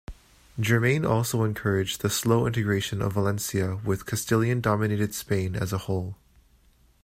Germaine also encouraged the slow integration of Valencia with Castilian-dominated Spain as a whole.